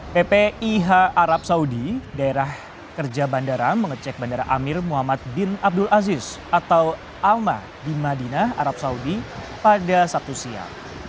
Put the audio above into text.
ppih arab saudi daerah kerja bandara mengecek bandara amir muhammad bin abdul aziz atau alma di madinah arab saudi pada sabtu siang